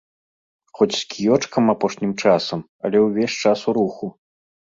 Хоць з кіёчкам апошнім часам, але ўвесь час у руху.